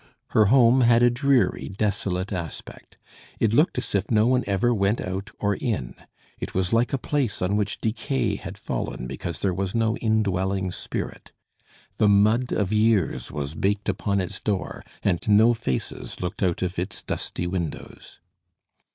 Her home had a dreary, desolate aspect. It looked as if no one ever went out or in. It was like a place on which decay had fallen because there was no indwelling spirit. The mud of years was baked upon its door, and no faces looked out of its dusty windows.